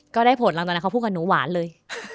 ก็ได้ผลตอนนั้นเขาพูดกับหนูหวานเลย